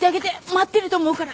待ってると思うから。